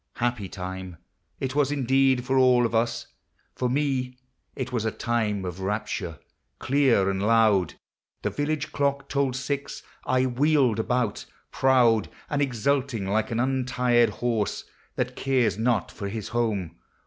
Happy time It was indeed for all of us; for me It was a time of rapture! Clear and loud The village clock tolled six; I wheeled about, Proud and exulting like an untired horse That cares not for his home.